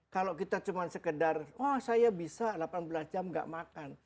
kalau kita cuma sekedar wah saya bisa delapan belas jam gak makan